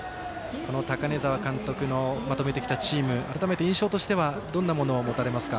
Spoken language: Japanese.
高根澤監督のまとめてきたチーム改めて印象としてはどんなものを持たれますか？